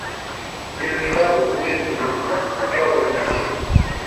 Il est le frère de Rouget de l'Isle, auteur de la Marseillaise.